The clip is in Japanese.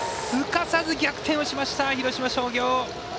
すかさず逆転をしました広島商業！